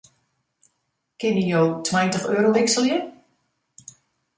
Kinne jo tweintich euro wikselje?